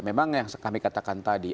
memang yang kami katakan tadi